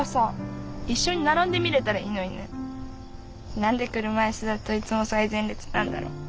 何で車椅子だといつも最前列なんだろう。